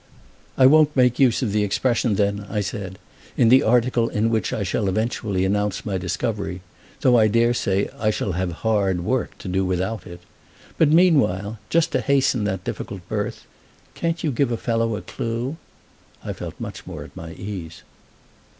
"I won't make use of the expression then," I said, "in the article in which I shall eventually announce my discovery, though I dare say I shall have hard work to do without it. But meanwhile, just to hasten that difficult birth, can't you give a fellow a clue?" I felt much more at my ease.